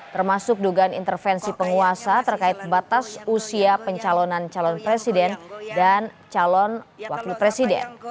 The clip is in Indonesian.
termasuk dugaan intervensi penguasa terkait batas usia pencalonan calon presiden dan calon wakil presiden